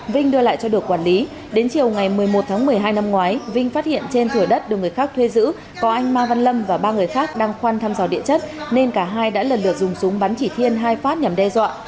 vinh đưa lại cho được quản lý đến chiều ngày một mươi một tháng một mươi hai năm ngoái vinh phát hiện trên thửa đất được người khác thuê giữ có anh mai văn lâm và ba người khác đang khoan thăm dò địa chất nên cả hai đã lần lượt dùng súng bắn chỉ thiên hai phát nhằm đe dọa